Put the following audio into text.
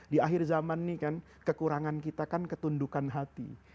di akhir zaman ini kan kekurangan kita kan ketundukan hati